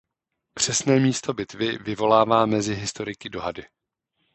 Přesné místo bitvy vyvolává mezi historiky dohady.